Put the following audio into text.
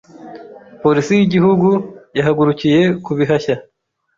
Polisi y’Igihugu yahagurukiye kubihashya,